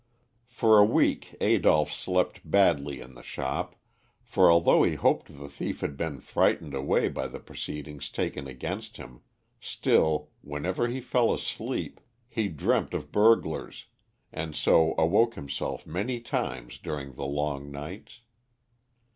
For a week Adolph slept badly in the shop, for although he hoped the thief had been frightened away by the proceedings taken against him, still, whenever he fell asleep, he dreamt of burglars, and so awoke himself many times during the long nights.